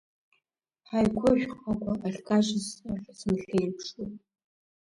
Ҳаигәышә ҟагәа ахькажьыз ахь сынхьеирԥшуан.